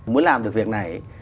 muốn làm được việc này